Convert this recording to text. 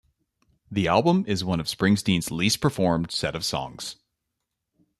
The album is one of Springsteen's least performed set of songs.